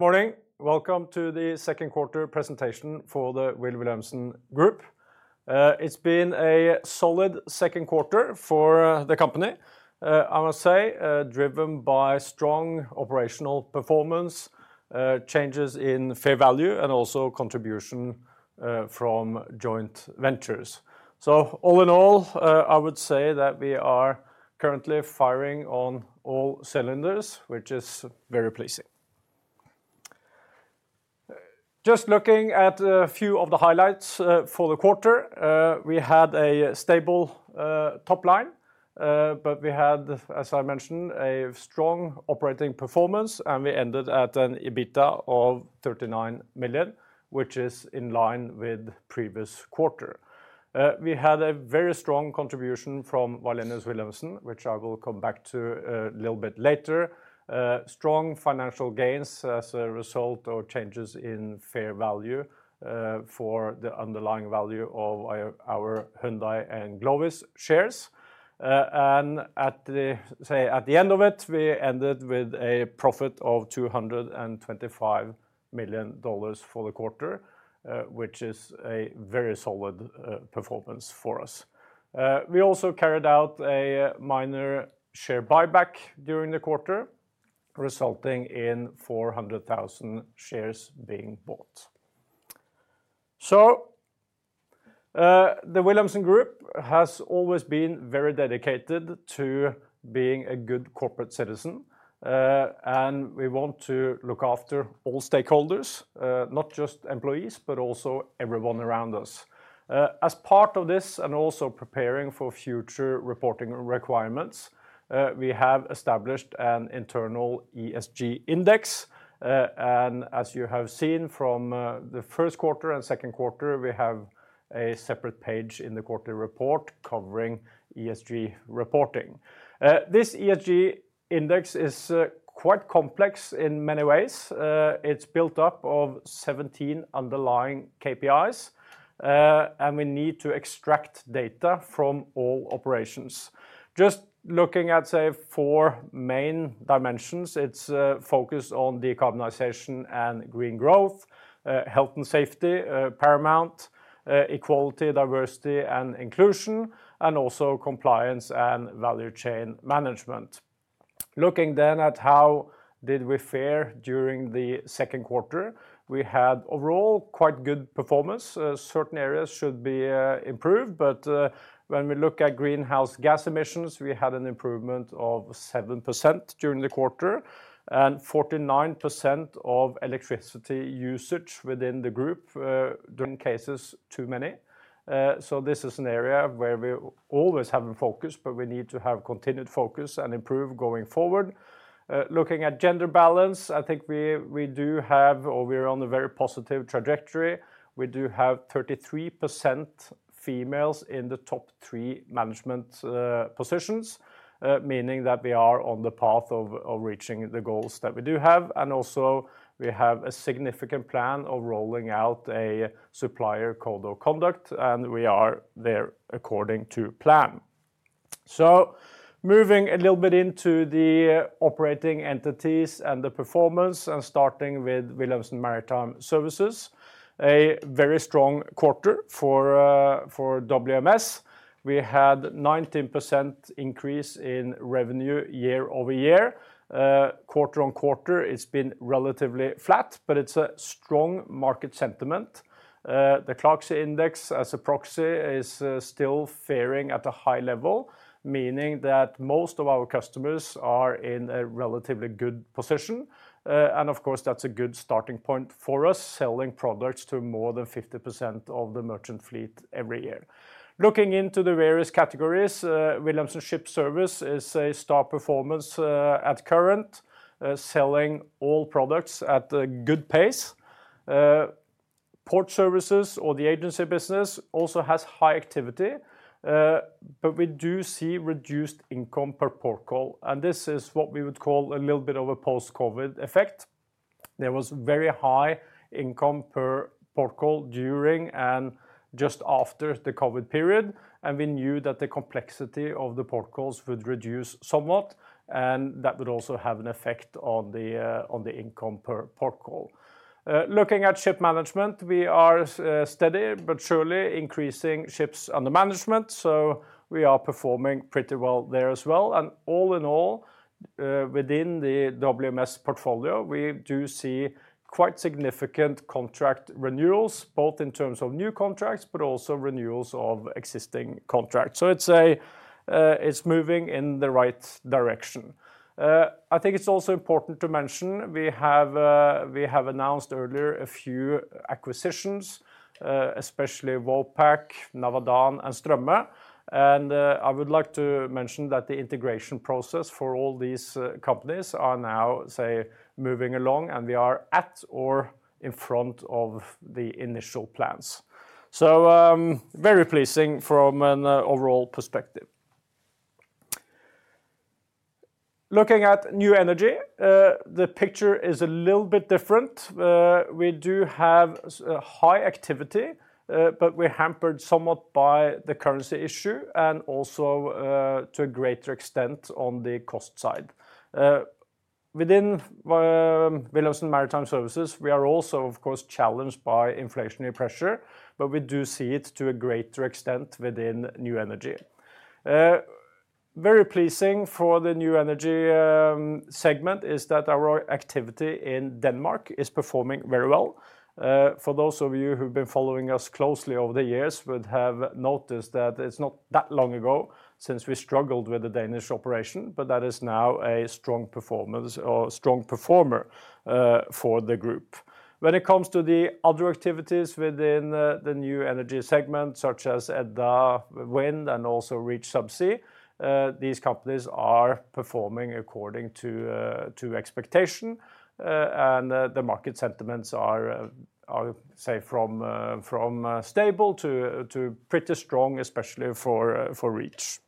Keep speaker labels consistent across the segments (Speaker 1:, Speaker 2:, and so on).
Speaker 1: Good morning. Welcome to the second quarter presentation for the Wilh. Wilhelmsen Holding. It's been a solid second quarter for the company, I must say, driven by strong operational performance, changes in fair value, and also contribution from joint ventures. All in all, I would say that we are currently firing on all cylinders, which is very pleasing. Just looking at a few of the highlights for the quarter. We had a stable top line, but we had, as I mentioned, a strong operating performance, and we ended at an EBITDA of 39 million, which is in line with previous quarter. We had a very strong contribution from Wallenius Wilhelmsen, which I will come back to a little bit later. Strong financial gains as a result of changes in fair value for the underlying value of our Hyundai Glovis shares. At the end of it, we ended with a profit of $225 million for the quarter, which is a very solid performance for us. We also carried out a minor share buyback during the quarter, resulting in 400,000 shares being bought. The Wilh. Wilhelmsen Holding has always been very dedicated to being a good corporate citizen. We want to look after all stakeholders, not just employees, but also everyone around us. As part of this and also preparing for future reporting requirements, we have established an internal ESG index. As you have seen from the first quarter and second quarter, we have a separate page in the quarterly report covering ESG reporting. This ESG index is quite complex in many ways. It's built up of 17 underlying KPIs. We need to extract data from all operations. Just looking at, say, four main dimensions, it's focused on decarbonization and green growth, health and safety, paramount, equality, diversity and inclusion, and also compliance and value chain management. Looking then at how did we fare during the second quarter, we had overall quite good performance. Certain areas should be improved, when we look at greenhouse gas emissions, we had an improvement of 7% during the quarter, and 49% of electricity usage within the group, during cases too many. So this is an area where we always have a focus, but we need to have continued focus and improve going forward. Looking at gender balance, I think we, we do have or we're on a very positive trajectory. We do have 33% females in the top three management positions, meaning that we are on the path of reaching the goals that we do have. Also we have a significant plan of rolling out a supplier code of conduct, and we are there according to plan. Moving a little bit into the operating entities and the performance and starting with Wilhelmsen Maritime Services, a very strong quarter for WMS. We had 19% increase in revenue year-over-year. Quarter-on-quarter, it's been relatively flat, but it's a strong market sentiment. The ClarkSea Index as a proxy is still faring at a high level, meaning that most of our customers are in a relatively good position. And of course, that's a good starting point for us, selling products to more than 50% of the merchant fleet every year. Looking into the various categories, Wilhelmsen Ship Service is a star performance at current, selling all products at a good pace. Port Services or the agency business also has high activity, but we do see reduced income per port call, and this is what we would call a little bit of a post-COVID effect. There was very high income per port call during and just after the COVID period, and we knew that the complexity of the port calls would reduce somewhat, and that would also have an effect on the on the income per port call. Looking at Ship Management, we are steady but surely increasing ships under management, so we are performing pretty well there as well. All in all, within the WMS portfolio, we do see quite significant contract renewals, both in terms of new contracts, but also renewals of existing contracts. It's moving in the right direction. I think it's also important to mention, we have, we have announced earlier a few acquisitions, especially Vopak, Navadan and Stromme. I would like to mention that the integration process for all these companies are now moving along, and we are at or in front of the initial plans. Very pleasing from an overall perspective. Looking at New Energy, the picture is a little bit different. We do have a high activity, but we're hampered somewhat by the currency issue and also to a greater extent on the cost side. Within Wilhelmsen Maritime Services, we are also, of course, challenged by inflationary pressure, but we do see it to a greater extent within New Energy. Very pleasing for the New Energy segment, is that our activity in Denmark is performing very well. For those of you who've been following us closely over the years would have noticed that it's not that long ago since we struggled with the Danish operation, but that is now a strong performance or strong performer for the group. When it comes to the other activities within the New Energy segment, such as Edda Wind and also Reach Subsea, these companies are performing according to expectation. The market sentiments are, say from stable to pretty strong, especially for Reach.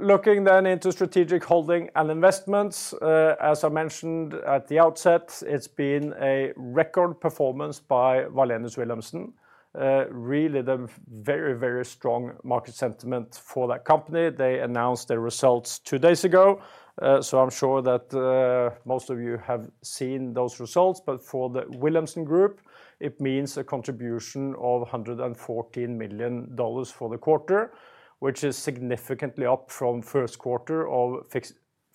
Speaker 1: Looking then into strategic holding and investments, as I mentioned at the outset, it's been a record performance by Wallenius Wilhelmsen. Really the very, very strong market sentiment for that company. They announced their results two days ago, I'm sure that most of you have seen those results. For the Wilhelmsen Group, it means a contribution of $114 million for the quarter, which is significantly up from 1st quarter of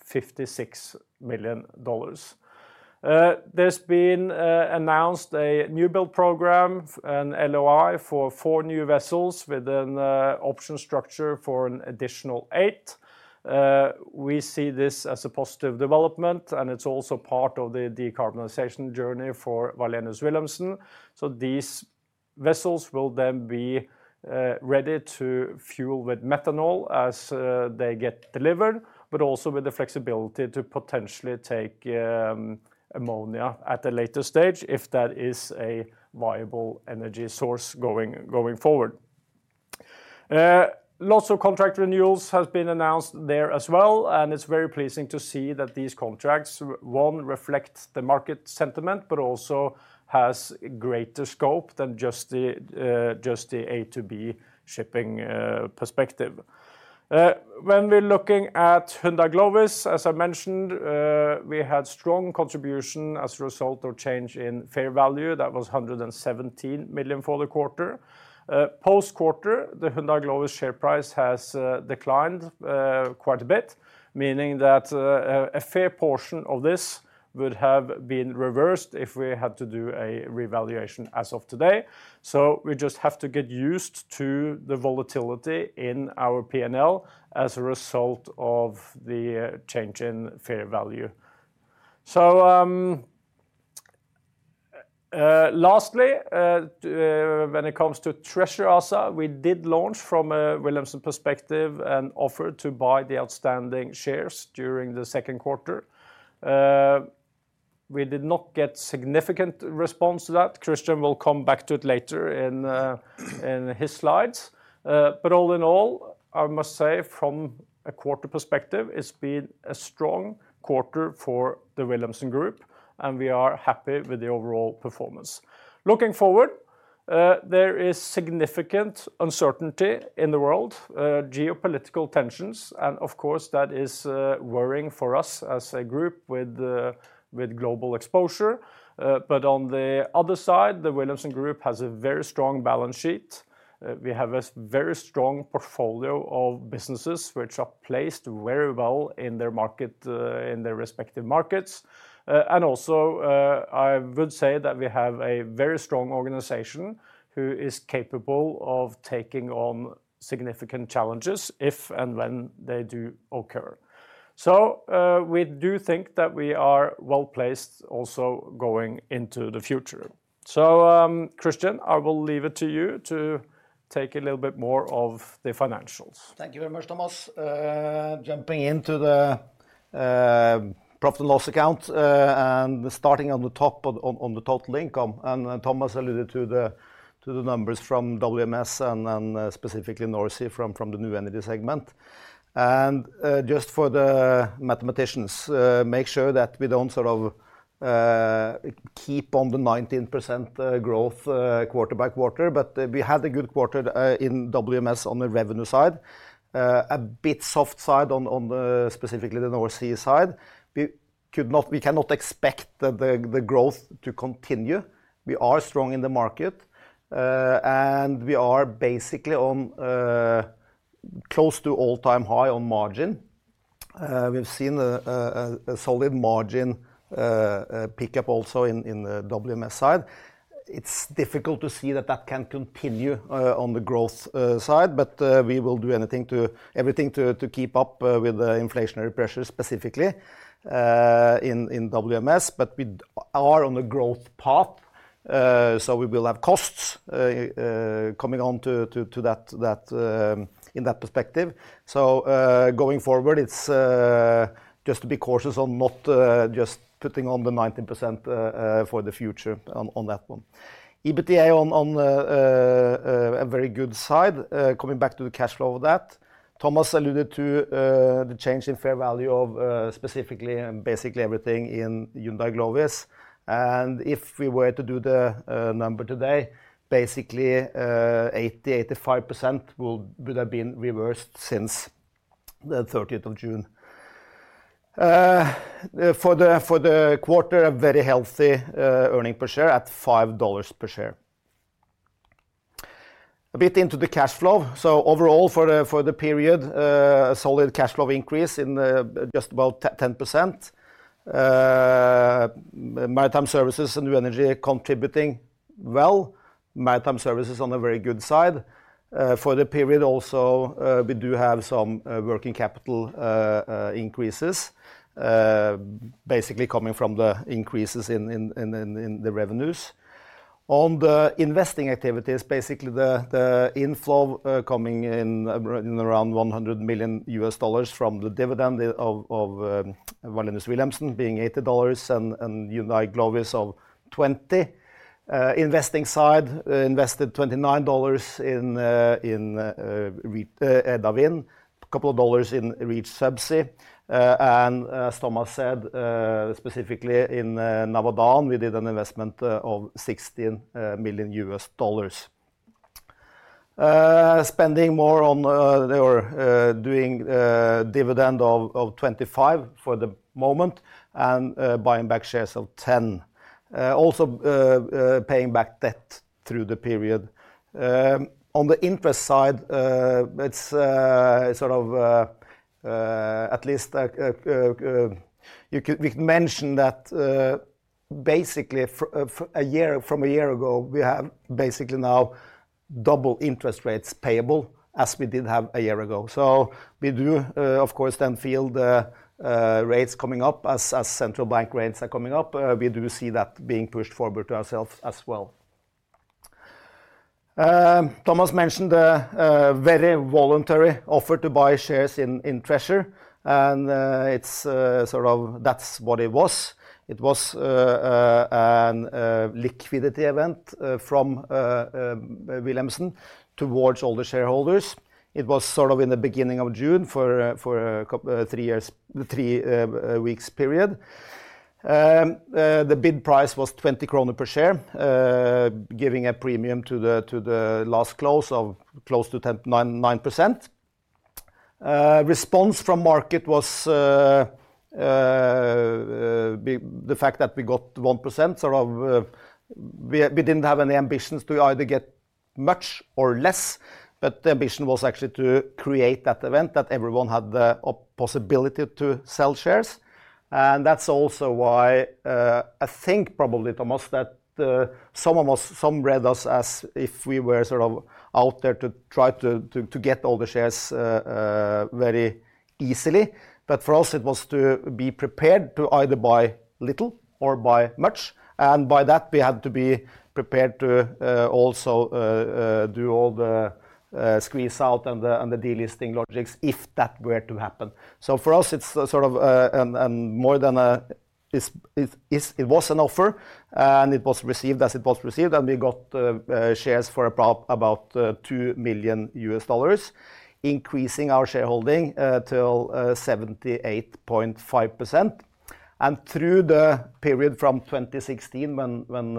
Speaker 1: $56 million. There's been announced a new build program, an LOI for four new vessels, with an option structure for an additional eight. We see this as a positive development, and it's also part of the decarbonization journey for Wallenius Wilhelmsen. These vessels will then be ready to fuel with methanol as they get delivered, but also with the flexibility to potentially take ammonia at a later stage, if that is a viable energy source going, going forward. Lots of contract renewals has been announced there as well. It's very pleasing to see that these contracts, one, reflect the market sentiment, but also has greater scope than just the A to B shipping perspective. When we're looking at Hyundai Glovis, as I mentioned, we had strong contribution as a result of change in fair value. That was 117 million for the quarter. Post-quarter, the Hyundai Glovis share price has declined quite a bit, meaning that a fair portion of this would have been reversed if we had to do a revaluation as of today. We just have to get used to the volatility in our PNL as a result of the change in fair value. Lastly, when it comes to Treasure ASA, we did launch from a Wilhelmsen perspective and offered to buy the outstanding shares during the 2nd quarter. We did not get significant response to that. Christian will come back to it later in his slides. All in all, I must say from a quarter perspective, it's been a strong quarter for the Wilhelmsen Group, and we are happy with the overall performance. Looking forward, there is significant uncertainty in the world, geopolitical tensions, and of course, that is worrying for us as a group with global exposure. On the other side, the Wilhelmsen Group has a very strong balance sheet. We have a very strong portfolio of businesses which are placed very well in their market, in their respective markets. Also, I would say that we have a very strong organization who is capable of taking on significant challenges if and when they do occur. We do think that we are well placed also going into the future. Christian, I will leave it to you to take a little bit more of the financials.
Speaker 2: Thank you very much, Thomas. Jumping into the profit and loss account, and starting on the top on, on, on the total income, and Thomas alluded to the numbers from WMS and then specifically NorSea from the New Energy segment. Just for the mathematicians, make sure that we don't keep on the 19% growth quarter by quarter, but we had a good quarter in WMS on the revenue side. A bit soft side on the specifically the NorSea side. We cannot expect the growth to continue. We are strong in the market, and we are basically on close to all-time high on margin. We've seen a solid margin pick up also in the WMS side. It's difficult to see that that can continue on the growth side, we will do everything to keep up with the inflationary pressures, specifically in WMS. We are on a growth path, so we will have costs coming on to that in that perspective. Going forward, it's just to be cautious on not just putting on the 19% for the future on that one. EBITDA on the a very good side. Coming back to the cash flow of that, Thomas alluded to the change in fair value of specifically and basically everything in Hyundai Glovis. If we were to do the number today, basically, 80%-85% will... would have been reversed since the 30th of June. For the, for the quarter, a very healthy earning per share at $5 per share. A bit into the cash flow. Overall, for the, for the period, solid cash flow increase in just about 10%. Maritime Services and New Energy are contributing well. Maritime Services on a very good side. For the period also, we do have some working capital increases, basically coming from the increases in, in, in, in, in the revenues. On the investing activities, basically, the inflow coming in in around $100 million from the dividend of Wallenius Wilhelmsen being $80, and Hyundai Glovis is of $20. Investing side, invested $29 in Edda Wind, a couple of dollars in Reach Subsea. As Thomas said, specifically in Navadan, we did an investment of $16 million. Spending more on or doing dividend of $25 for the moment and buying back shares of $10. Also, paying back debt through the period. On the interest side, it's sort of at least, like, We mentioned that, basically, a year, from a year ago, we have basically now double interest rates payable as we did have a year ago. We do, of course, then feel the rates coming up as central bank rates are coming up. We do see that being pushed forward to ourselves as well. Thomas mentioned a very voluntary offer to buy shares in Treasure, and it's sort of that's what it was. It was an liquidity event from Wilhelmsen towards all the shareholders. It was sort of in the beginning of June for a couple, three weeks period. The bid price was 20 kroner per share, giving a premium to the last close of close to 9%-9%. Response from market was the fact that we got 1%, sort of, we didn't have any ambitions to either get much or less, but the ambition was actually to create that event, that everyone had the possibility to sell shares. That's also why, I think probably, Thomas, that some read us as if we were sort of out there to try to get all the shares very easily. For us, it was to be prepared to either buy little or buy much, and by that, we had to be prepared to also do all the squeeze out and the delisting logics, if that were to happen. For us, it's sort of, and more than a... It was an offer, and it was received as it was received, and we got shares for about $2 million, increasing our shareholding to 78.5%. Through the period from 2016, when, when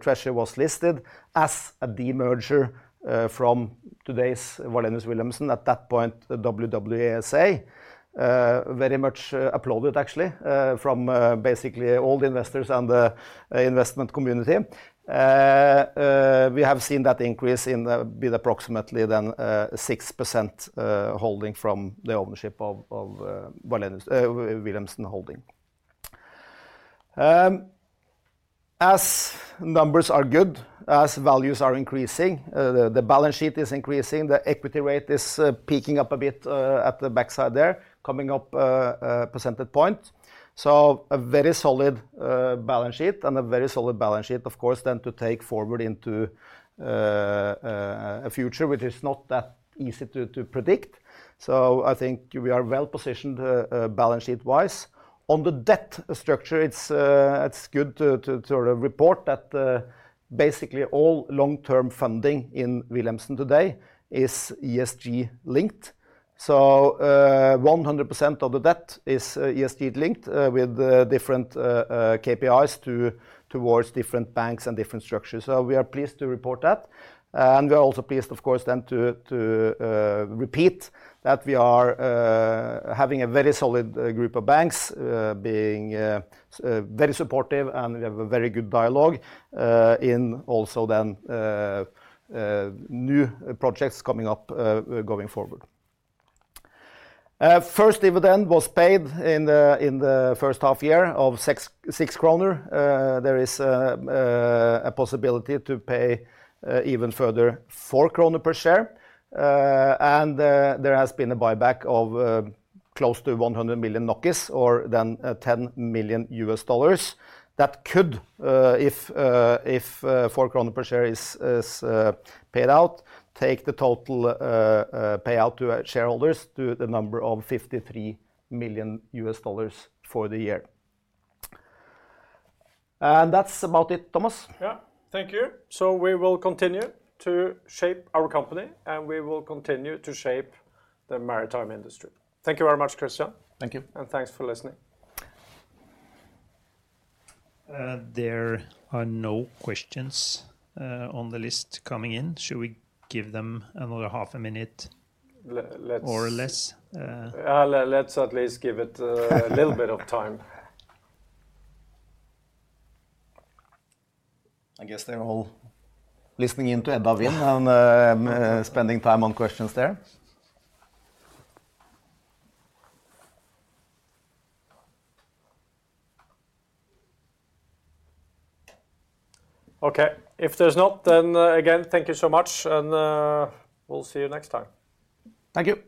Speaker 2: Treasure was listed as a demerger from today's Wallenius Wilhelmsen, at that point, WWASA, very much applauded, actually, from basically all the investors and the investment community. We have seen that increase in the bid, approximately than 6% holding from the ownership of Wallenius Wilhelmsen holding. As numbers are good, as values are increasing, the balance sheet is increasing, the equity rate is peaking up a bit at the backside there, coming up a percentage point. A very solid balance sheet, and a very solid balance sheet, of course, then to take forward into a future, which is not that easy to predict. I think we are well-positioned balance sheet-wise. On the debt structure, it's good to report that basically all long-term funding in Wilhelmsen today is ESG linked. 100% of the debt is ESG linked with different KPIs towards different banks and different structures. We are pleased to report that, and we are also pleased, of course, then to repeat that we are having a very solid group of banks, being very supportive, and we have a very good dialogue in also then new projects coming up going forward. First dividend was paid in the first half year of 6 kroner. There is a possibility to pay even further 4 kroner per share. There has been a buyback of close to 100 million or than $10 million. That could, if, if, 4 kroner per share is paid out, take the total payout to our shareholders to the number of $53 million for the year. That's about it, Thomas.
Speaker 1: Yeah. Thank you. We will continue to shape our company, and we will continue to shape the maritime industry. Thank you very much, Christian.
Speaker 2: Thank you.
Speaker 1: Thanks for listening.
Speaker 3: there are no questions on the list coming in. Should we give them another half a minute?
Speaker 1: Let's...
Speaker 3: or less?
Speaker 1: Let's at least give it... a little bit of time.
Speaker 2: I guess they're all listening in to Edda Wind and spending time on questions there.
Speaker 1: Okay. If there's not, then, again, thank you so much, and, we'll see you next time.
Speaker 2: Thank you.